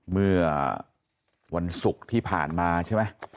เมื่อวันศุกร์ที่ผ่านมาใช่ไหม